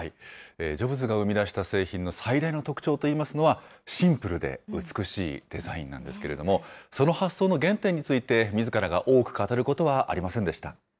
ジョブズが生み出した製品の最大の特長といいますのは、シンプルで美しいデザインなんですけれども、その発想の原点について、みずからが多く語ることはありませんでした。